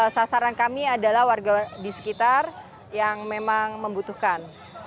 sasaran kami adalah warga di sekitar yang memang membutuhkan